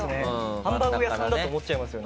ハンバーグ屋さんだと思っちゃいますよね